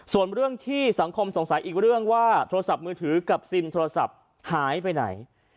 ส่วนเรื่องที่สังคมสงสัยอีกเรื่องว่าโทรศัพท์มือถือกับซิมโทรศัพท์หายไปไหน